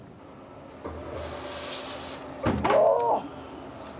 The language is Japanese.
お！